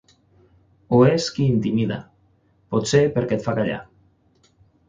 Ho és qui intimida, potser perquè et fa callar.